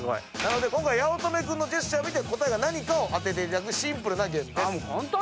今回八乙女君のジェスチャーを見て答えが何かを当てていただくシンプルなゲームです。